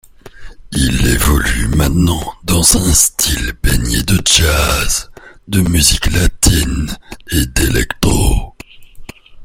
Il évolue maintenant dans un style baigné de jazz, de musique latine et d’electro.